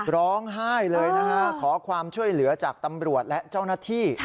ร้องไห้เลยนะฮะขอความช่วยเหลือจากตำรวจและเจ้าหน้าที่